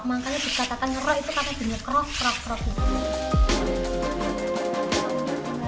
makanya dikatakan ngerok itu karena bunyi krok krok krok gitu